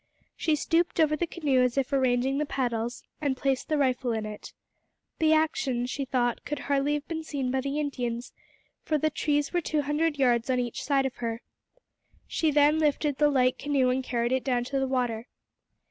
She stooped over the canoe as if arranging the paddles, and placed the rifle in it. The action, she thought, could hardly have been seen by the Indians, for the trees were two hundred yards on each side of her. She then lifted the light canoe and carried it down to the water.